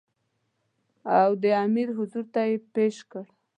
او د امیر حضور ته یې پېش کړ.